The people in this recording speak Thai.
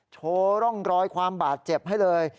โชว์ร่องรอยความบาดเจ็บให้เลย